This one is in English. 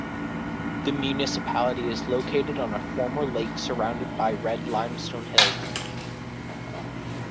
The municipality is located on a former lake surrounded by red limestone hills.